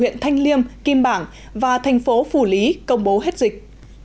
huyện thanh liêm kim bảng và thành phố phủ lý công bố hết dịch